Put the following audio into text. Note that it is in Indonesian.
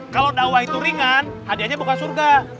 kalau dakwah itu ringan hadiahnya bukan surga